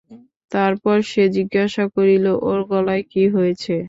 তারপর সে জিজ্ঞাসা করিল, ওর গলায় কী হয়েছে?